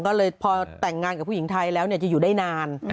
ก็เลยพอแต่งงานกับผู้หญิงไทยแล้วจะอยู่ได้นาน